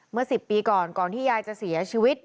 เมื่อ๑๐ปีก่อนก่อนที่ยายจะเสียชีวิต